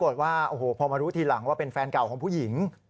ตอนต่อไป